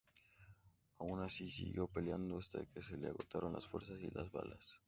Aun así siguió peleando hasta que se le agotaron las fuerzas y las balas.